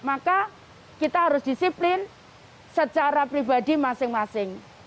maka kita harus disiplin secara pribadi masing masing